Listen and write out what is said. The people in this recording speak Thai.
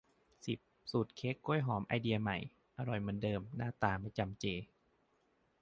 สิบ สูตรเค้กกล้วยหอมไอเดียใหม่ อร่อยเหมือนเดิมหน้าตาไม่จำเจ